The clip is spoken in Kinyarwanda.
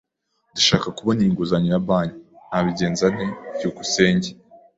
Ndashaka kubona inguzanyo ya banki; nabigenze nte? byukusenge